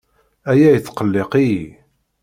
Aya yettqelliq-iyi.